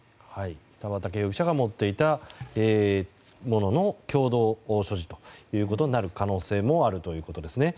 北畠容疑者が持っていたものの共同所持になる可能性もあるということですね。